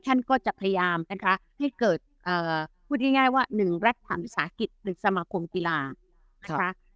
ท่านก็จะพยายามนะคะให้เกิดเอ่อพูดง่ายง่ายว่าหนึ่งรัฐธรรมศาสตร์กิจหรือสมาคมกีฬาค่ะ